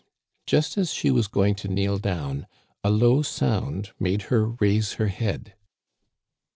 " Just as she was going to kneel down a low sound made her raise her head.